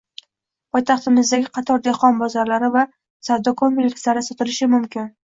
Poytaxtimizdagi qator dehqon bozorlari va savdo komplekslari sotilishi mumkinng